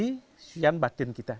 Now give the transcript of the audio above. kesucian batin kita